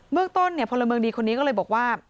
เมืองต้นพลเมืองดีคนนี้ก็เลยบอกว่า